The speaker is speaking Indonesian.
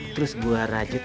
terus gua rajut